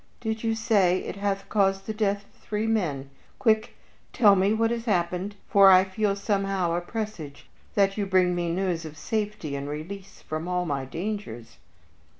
"Did you say it hath caused the death of three men? Quick! Tell me what has happened, for I feel somehow a presage that you bring me news of safety and release from all my dangers."